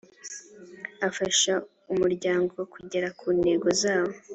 afasha umuryango kugera ku ntego zawo